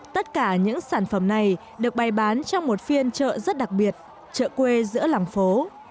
tất cả những sản phẩm này được bày bán trong một phiên chợ rất đặc biệt chợ quê giữa làng phố